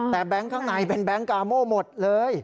แต่แบงค์ข้างในเป็นแบงค์กาโม่หมดเลย